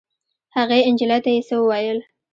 هغې نجلۍ ته یې څه وویل.